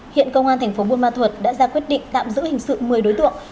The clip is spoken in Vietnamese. hiện công an tp bun ma thuật đã ra quyết định tạm giữ hình sự một mươi đối tượng